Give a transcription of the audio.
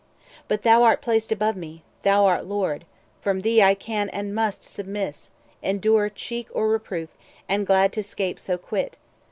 But thou art placed above me; thou art Lord; From thee I can, and must, submiss, endure Cheek or reproof, and glad to scape so quit.